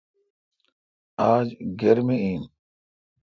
آج گرمی این۔